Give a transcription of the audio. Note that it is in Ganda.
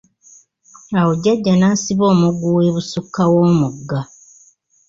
Awo jjaja nasiba omuguwa ebusukka w'omugga.